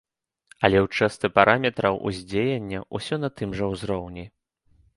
Але ў частцы параметраў уздзеяння ўсё на тым жа ўзроўні.